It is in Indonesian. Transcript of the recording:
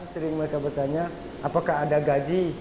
mereka sering bertanya apakah ada gaji